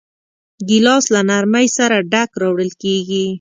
ګیلاس له نرمۍ سره ډک راوړل کېږي.